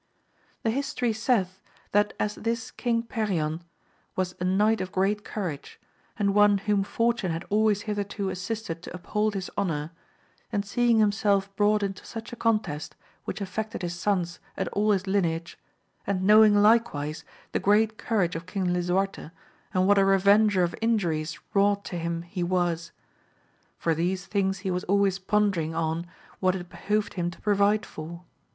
HE history saith, that as this King Perion was a Imight of great courage, and one whom fortune had always hitherto assisted to uphold his honour, he seeing himself brought into such a contest which affected his sons and all his line age, and knowing likewise the great courage of King Lisuarte and what a revenger of injuries wrought to him he was : for these things he was always pondering on what it behoved him to provide for.